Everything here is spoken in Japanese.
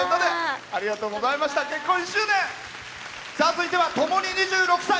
続いては、共に２６歳。